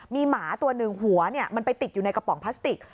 มีหมาตัวหนึ่งหัวมันไปติดอยู่ในกระป๋องพลาสติก